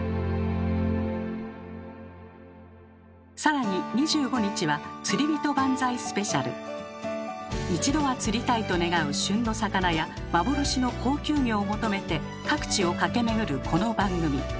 更に一度は釣りたいと願う旬の魚や幻の高級魚を求めて各地を駆け巡るこの番組。